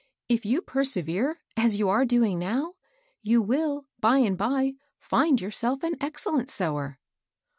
If you persevere as you are doing now, you will, by and by, find yourself an excellent sewer."